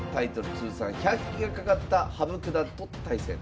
通算１００期がかかった羽生九段と対戦。